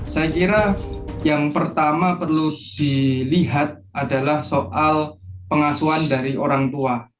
saya kira yang pertama perlu dilihat adalah soal pengasuhan dari orang tua